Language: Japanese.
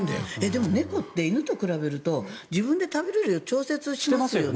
でも、猫って犬と比べると自分で食べる量調節してますよね。